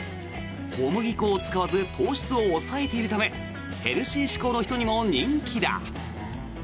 小麦粉を使わず糖質を抑えているためヘルシー志向の人にも人気だ。